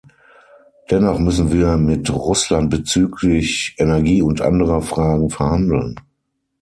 Dennoch müssen wir mit Russland bezüglich Energie- und anderer Fragen verhandeln.